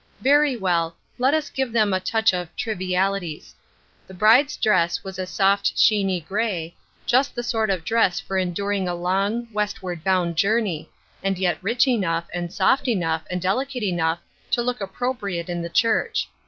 Very well, let us give them a touch of " trivialities." The bride's dress was a soft sheeny grey, just the sort of dress for enduring a long, westward bound journey, and yet rich enough, and soft enough, and delicate enough to look appropriate in the church.